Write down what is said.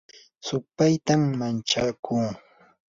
supaytam manchakuu